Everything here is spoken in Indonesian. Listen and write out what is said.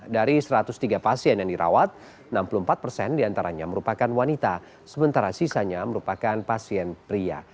dari satu ratus tiga pasien yang dirawat enam puluh empat persen diantaranya merupakan wanita sementara sisanya merupakan pasien pria